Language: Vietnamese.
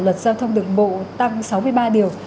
luật giao thông đường bộ tăng sáu mươi ba điều